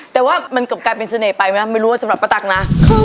แต่ว่ามันก็กลายเป็นเสน่ห์ไปนะไม่รู้สำหรับปากตั๊กนะ